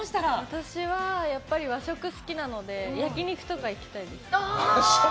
私は、やっぱり和食好きなので焼き肉とか行きたいです。